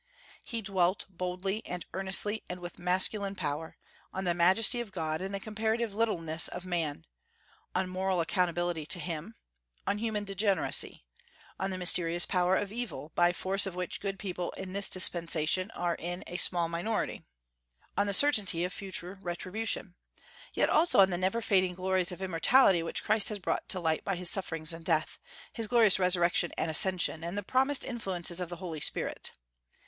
He dwelt, boldly and earnestly, and with masculine power, on the majesty of God and the comparative littleness of man, on moral accountability to Him, on human degeneracy, on the mysterious power of evil, by force of which good people in this dispensation are in a small minority, on the certainty of future retribution; yet also on the never fading glories of immortality which Christ has brought to light by his sufferings and death, his glorious resurrection and ascension, and the promised influences of the Holy Spirit.